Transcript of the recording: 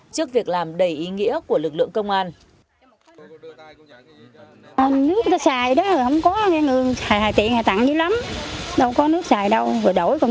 trước việc làm đầy ý nghĩa của lực lượng công an